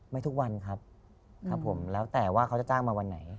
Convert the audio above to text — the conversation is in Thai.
ไม่ทุกวันครับแล้วแต่ว่าเขาจะจ้างมาวันไหน